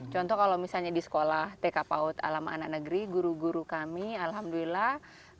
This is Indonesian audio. contoh kalau misalnya di sekolah tk paut alam anak negeri guru guru kami alhamdulillah